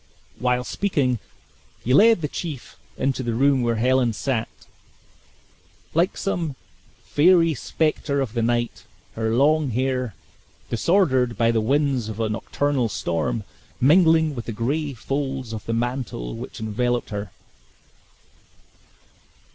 While speaking he lead the chief into the room where Helen sat, like some fairy specter of the night; her long hair, disordered by the winds of a nocturnal storm, mingling with the gray folds of the mantle which enveloped her.